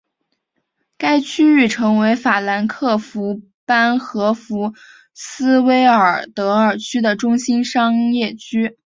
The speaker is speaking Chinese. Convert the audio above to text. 该区域成为法兰克福班荷福斯威尔德尔区的中心商业区。